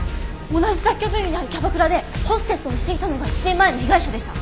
同じ雑居ビルにあるキャバクラでホステスをしていたのが１年前の被害者でした。